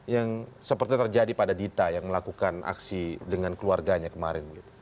yang seperti terjadi pada dita yang melakukan aksi dengan keluarganya kemarin